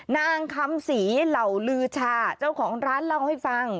นางคำศรีเหล่าลือชาเจ้าของร้านเล่าให้ฟัง